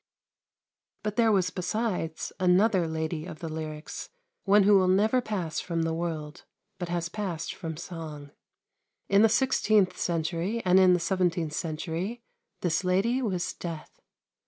But there was besides another Lady of the lyrics; one who will never pass from the world, but has passed from song. In the sixteenth century and in the seventeenth century this lady was Death.